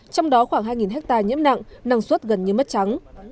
trong đó khoảng hai hectare nhiễm nặng năng suất gần như mất trắng